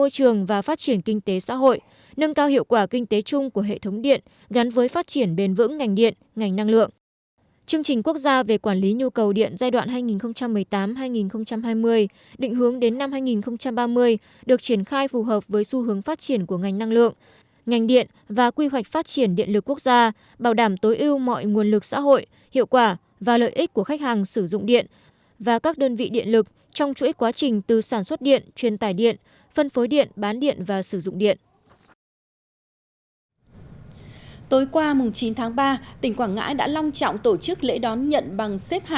chương trình quốc gia về quản lý nhu cầu điện giai đoạn hai nghìn một mươi tám hai nghìn hai mươi định hướng đến năm hai nghìn ba mươi được triển khai phù hợp với xu hướng phát triển của ngành năng lượng ngành điện và quy hoạch phát triển điện lực quốc gia bảo đảm tối ưu mọi nguồn lực xã hội hiệu quả và lợi ích của khách hàng sử dụng điện và các đơn vị điện lực trong chuỗi quá trình từ sản xuất điện truyền tải điện phân phối điện bán điện và sử dụng điện